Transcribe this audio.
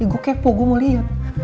iya gua kepo gua mau liat